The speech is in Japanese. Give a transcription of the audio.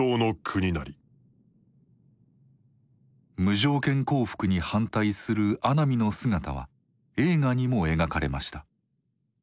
無条件降伏に反対する阿南の姿は映画にも描かれました。